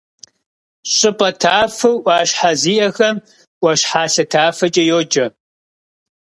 ЩӀыпӀэ тафэу Ӏуащхьэ зиӀэхэм — Ӏуащхьалъэ тафэкӀэ йоджэ.